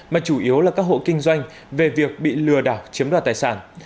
mà chủ yếu là các hộ kinh doanh về việc bị lừa đảo chiếm đoạt tài sản